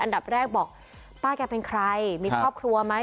อันดับแรกบอกป้าแกเป็นใครมีครอบครัวไหม